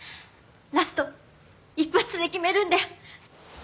ラスト一発で決めるんで。